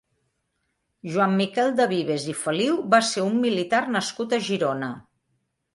Joan Miquel de Vives i Feliu va ser un militar nascut a Girona.